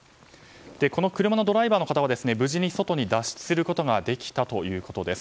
この車のドライバーの方は無事に外に脱出することができたということです。